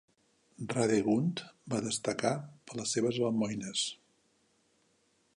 Radegund va destacar per les seves almoines.